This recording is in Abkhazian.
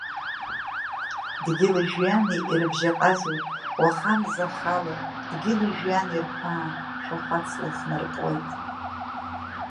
Дгьыли-жәҩани ирыбжьаҟазоит уаха амза ахала, дгьыли-жәҩани рҳәаа шәахәацла ихнаркуеит.